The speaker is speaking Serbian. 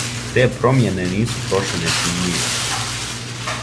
Те промјене нису прошле непримијећене.